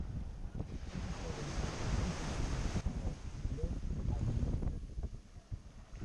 Estos jóvenes son conocidos como "Los Aguiluchos".